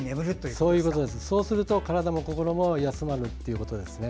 そうすると、体も心も休まるということです。